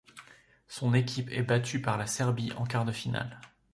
Son équipe est battue par la Serbie en quart de finale.